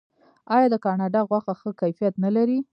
آیا د کاناډا غوښه ښه کیفیت نلري؟